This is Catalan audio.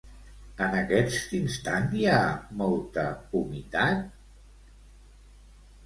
En aquest instant hi ha molta humitat?